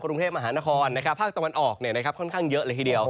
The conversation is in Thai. กรุงเทพมหานครภาคตะวันออกค่อนข้างเยอะเลยทีเดียว